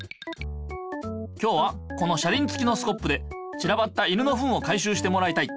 今日はこの車りんつきのスコップでちらばった犬のフンを回しゅうしてもらいたい。